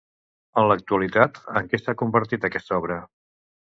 En l'actualitat, en què s'ha convertit aquesta obra?